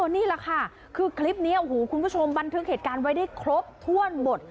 นี่แหละค่ะคือคลิปนี้โอ้โหคุณผู้ชมบันทึกเหตุการณ์ไว้ได้ครบถ้วนหมด